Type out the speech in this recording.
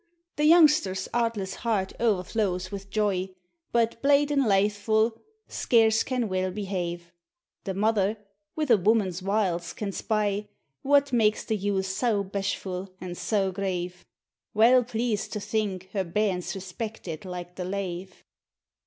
The youngster's artless heart o'ertlows wF joy, But blate and lathefu', scarce can weel be have; The mother, wi' a woman's wiles, can spy What makes the youth sae bashfu' an' sae grave ; Weel pleased to think her bairn's respected like the lave.